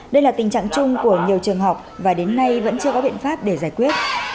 đây là tình trạng chung của nhiều trường học và đến nay vẫn chưa có biện pháp để giải quyết